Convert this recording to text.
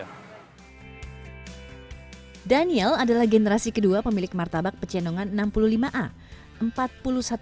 daniel adalah generasi kedua pemilik martabak pecenongan enam puluh lima a